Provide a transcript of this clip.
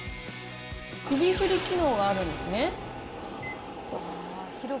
首振り機能があるんですね。